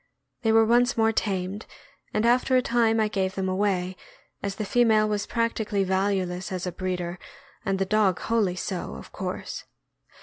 They were once more tamed, and after a time I gave them away, as the female was practically valueless as a breeder, and the dog wholly so, of course.